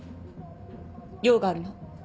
用があるの。